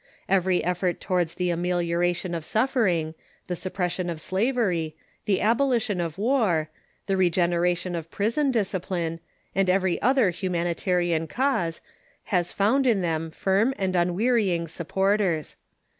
Every effort towards the ameliora tion of suffering, the suppression of slaver}', the abo Moral lition of war, the regeneration of prison discipline, Enthusiasm '»..^ r i • and every other humanitarian cause, has found in them firm and unweaiying supporters.